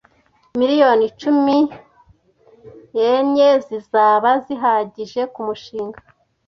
Miliyoni icumi yen zizaba zihagije kumushinga